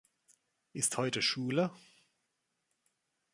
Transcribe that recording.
Ist heute Schule?